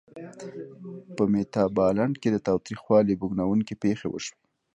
په میتابالنډ کې د تاوتریخوالي بوږنوونکې پېښې وشوې.